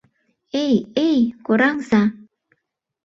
— Эй-эй, кораҥза-а!